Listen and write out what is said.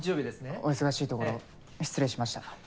お忙しいところ失礼しました。